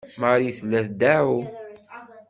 Marie tella tdeɛɛu.